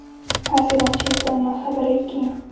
هسې نه چې پۀ ناخبرۍ کښې